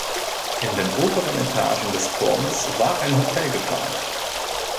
In den oberen Etagen des Turmes war ein Hotel geplant.